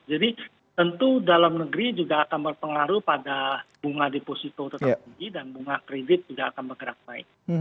jadi tentu dalam negeri juga akan berpengaruh pada bunga deposito tetap tinggi dan bunga kredit juga akan bergerak baik